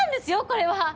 これは。